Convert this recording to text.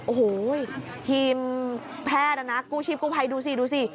โอ้โหทีมแพทย์นะนะกู้ชิบกู้ไพดูสิ